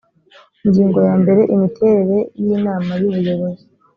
ingingo ya mbere imiterere y inama y ubuyobozi